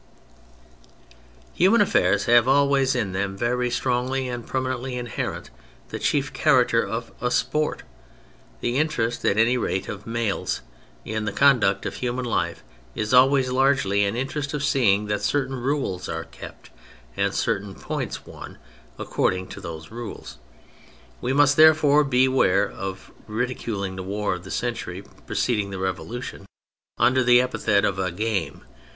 Human affairs have always in them very strongly and permanently inherent, the char acter of a sport : the interest (at any rate of males) in the conduct of human life is always largely an interest of seeing that certain rules are kept, and certain points won, accord ing to those rules. We must, therefore, beware of ridiculing the warfare of the century preceding the Revolution under the epithet of " a game."